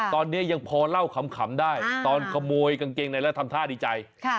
ตอนนี้ยังพอเล่าขำได้ตอนขโมยกางเกงในแล้วทำท่าดีใจ